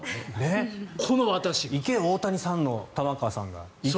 大谷さんの玉川さんが行け！